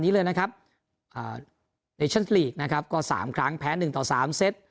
นี้เลยนะครับอ่าเนชั่นลีกนะครับก็สามครั้งแพ้หนึ่งต่อสามเซต